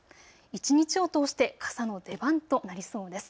一日を通して傘の出番となりそうです。